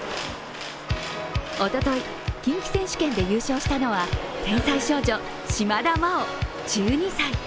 おととい、近畿選手権で優勝したのは天才少女、島田麻央１２歳。